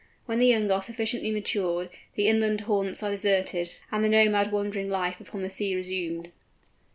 When the young are sufficiently matured, the inland haunts are deserted, and the nomad wandering life upon the sea resumed.